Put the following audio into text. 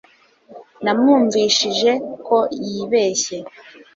Namwumvishije ko yibeshye